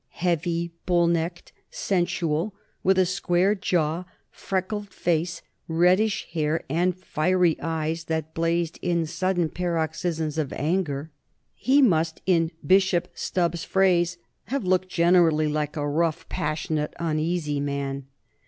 Heavy, bull necked, sensual, with a square jaw, freckled face, reddish hair, and fiery eyes that blazed in sudden paroxysms of anger, he must, in Bishop Stubbs's phrase, "have looked generally like a rough, passionate, uneasy man."